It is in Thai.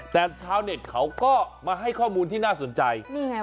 แต่ชาวเน็ตเขาก็มาให้ข้อมูลที่น่าสนใจนี่ไง